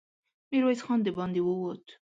ميرويس خان د باندې ووت.